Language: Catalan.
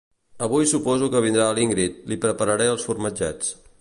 Avui suposo que vindrà l'Íngrid, li prepararé els formatgets